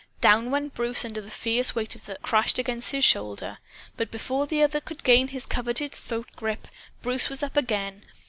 Down went Bruce under the fierce weight that crashed against his shoulder. But before the other could gain his coveted throat grip, Bruce was up again.